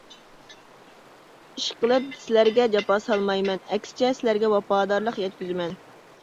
ئىشقىلىپ سىلەرگە جاپا سالمايمەن، ئەكسىچە، سىلەرگە ۋاپادارلىق يەتكۈزىمەن.